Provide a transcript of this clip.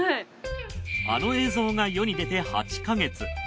あの映像が世に出て８ヵ月。